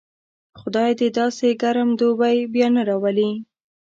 خدای دې داسې ګرم دوبی بیا نه راولي.